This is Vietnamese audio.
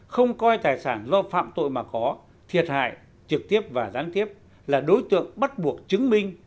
không coi tài sản do phạm tội mà có thiệt hại trực tiếp và gián tiếp là đối tượng bắt buộc chứng minh